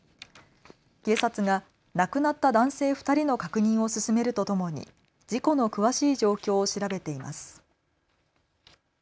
警察が亡くなった男性２人の確認を進めるとともに事故の詳しい状況を調べています。